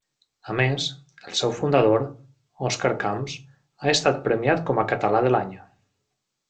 A més, el seu fundador, Òscar Camps, ha estat premiat com a Català de l'Any.